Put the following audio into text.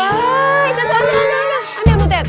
ambil ambil ambil ambil ambil ambil butet